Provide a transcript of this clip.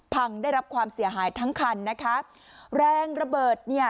ได้รับความเสียหายทั้งคันนะคะแรงระเบิดเนี่ย